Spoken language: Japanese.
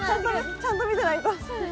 ちゃんと見てないと。